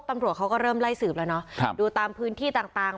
ตำรวจเขาก็เริ่มไล่สืบแล้วเนาะดูตามพื้นที่ต่างต่าง